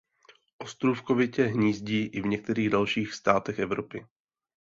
Ostrůvkovitě hnízdí i v některých dalších státech Evropy.